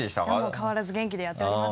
変わらず元気でやっております